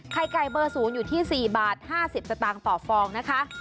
ไข่ไก่เบอร์๐อยู่ที่๔บาท๕๐สตางค์ต่อฟองนะคะ